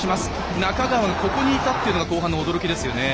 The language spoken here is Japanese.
仲川、ここにいたっていうのが後半の驚きですよね。